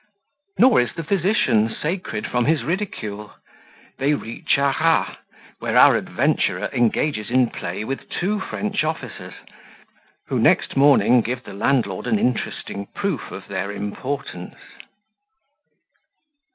Nor is the Physician sacred from his Ridicule They reach Arras, where our Adventurer engages in Play with two French Officers, who, next Morning, give the Landlord an interesting Proof of their Importance.